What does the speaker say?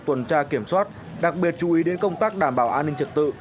tuần tra kiểm soát đặc biệt chú ý đến công tác đảm bảo an ninh trật tự